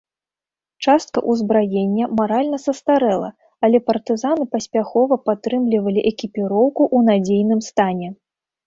Частка ўзбраення маральна састарэла, але партызаны паспяхова падтрымлівалі экіпіроўку ў надзейнай стане.